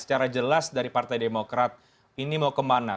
secara jelas dari partai demokrat ini mau kemana